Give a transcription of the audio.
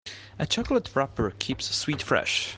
A chocolate wrapper keeps sweets fresh.